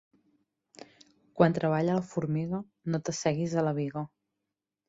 Quan treballa la formiga no t'asseguis a la biga.